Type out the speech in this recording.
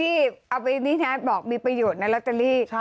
นี่แท้ที่บอกว่ามีประโยชน์แล้วอะตัลลี้